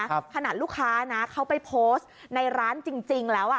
ขนาดลูกค้าเขาไปโพสต์ในร้านจริงแล้ว